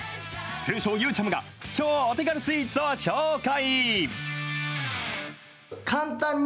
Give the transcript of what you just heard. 通称、ゆーちゃむが超お手軽スイーツを紹介。